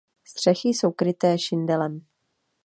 Střechy jsou kryté šindelem.